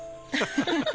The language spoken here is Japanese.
フフフ。